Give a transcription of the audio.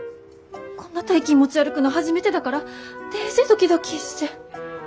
こんな大金持ち歩くの初めてだからデージどきどきーして。